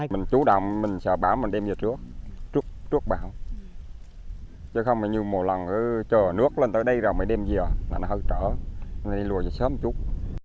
mình chủ động mình sợ bão mình đem về trước trước bão chứ không như một lần chờ nước lên tới đây rồi mới đem về là nó hơi trở nên lùa cho sớm chút